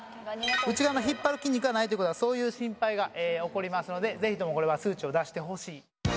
内側の引っ張る筋肉がないという事はそういう心配が起こりますのでぜひともこれは数値を出してほしい。